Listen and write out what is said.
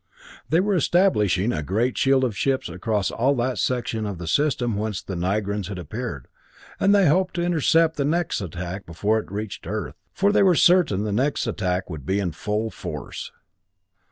They were establishing a great shield of ships across all that section of the system whence the Nigrans had appeared, and they hoped to intercept the next attack before it reached Earth, for they were certain the next attack would be in full force.